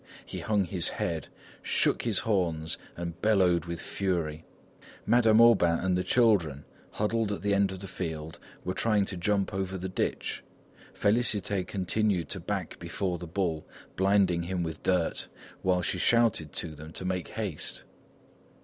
He hung his head, shook his horns and bellowed with fury. Madame Aubain and the children, huddled at the end of the field, were trying to jump over the ditch. Félicité continued to back before the bull, blinding him with dirt, while she shouted to them to make haste.